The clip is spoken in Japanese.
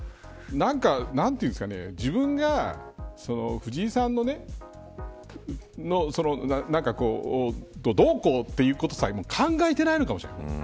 自分が藤井さんをどうこうということさえも考えていないのかもしれない。